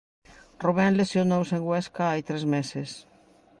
Rubén lesionouse en Huesca hai tres meses.